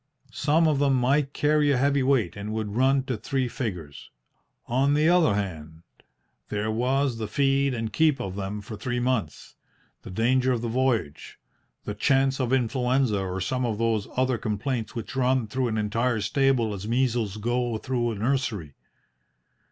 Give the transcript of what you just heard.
Some of them might carry a heavy weight, and would run to three figures. On the other hand, there was the feed and keep of them for three months, the danger of the voyage, the chance of influenza or some of those other complaints which run through an entire stable as measles go through a nursery.